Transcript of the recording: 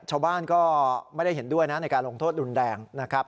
ชาวบ้านก็ไม่ได้เห็นด้วยนะในการลงโทษรุนแรงนะครับ